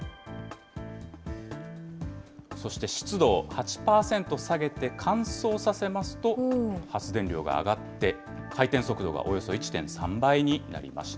そして湿度８％下げて乾燥させますと、発電量が上がって回転速度がおよそ１．３倍になりました。